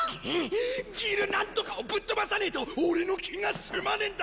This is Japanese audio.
ギルなんとかをぶっ飛ばさねえとオレの気が済まねえんだ！